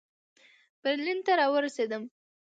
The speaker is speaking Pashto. برلین ته را ورسېدم.